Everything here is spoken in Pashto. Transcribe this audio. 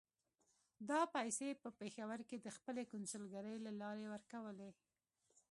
دا پیسې یې په پېښور کې د خپلې کونسلګرۍ له لارې ورکولې.